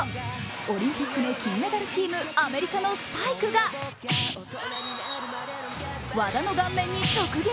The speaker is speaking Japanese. オリンピックの金メダルチーム、アメリカのスパイクが和田の顔面に直撃。